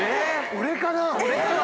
俺かな？